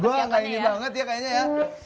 gue nggak ini banget ya kayaknya ya